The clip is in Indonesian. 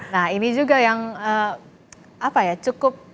nah ini juga yang cukup